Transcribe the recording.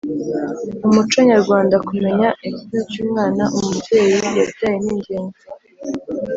mu muco nyarwanda, kumenya igitsina cy‘umwana umubyeyi yabyaye ni ingenzi